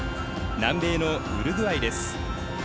南米のウルグアイです。